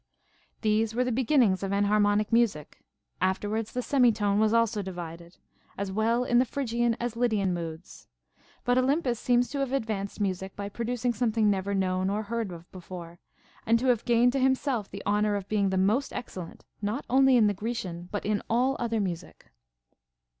These were the beginnings of enharmonic music ; after wards the semitone was also divided, as Avell in the Phry gian as Lydian moods. But Olympus seems to have advanced music by producing something never known or heard of before, and to have gained to himself the honor of being the most excellent, not only in the Grecian but in all other music.